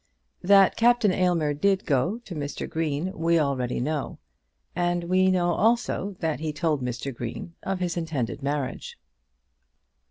That Captain Aylmer did go to Mr. Green we already know, and we know also that he told Mr. Green of his intended marriage.